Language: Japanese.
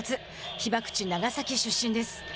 被爆地長崎出身です。